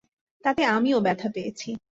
তাতে আমিও ব্যথা পেয়েছি।